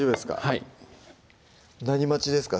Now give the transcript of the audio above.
はい何待ちですか？